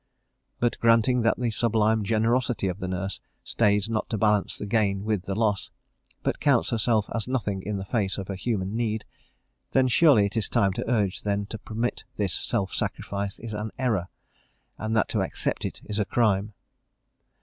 _ But, granting that the sublime generosity of the nurse stays not to balance the gain with the loss, but counts herself as nothing in the face of a human need, then surely it is time to urge then to permit this self sacrifice is an error, and that to accept it is a crime.